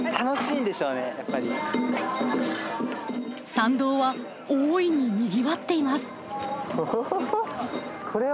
参道は大いににぎわっています。